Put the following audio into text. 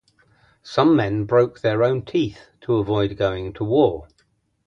Some men broke their own teeth to avoid going to war.